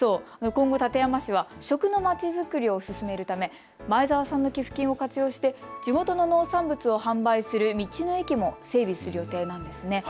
今後、館山市は食のまちづくりを進めるため前澤さんの寄付金を活用して地元の農産物を販売する道の駅も整備する予定なんです。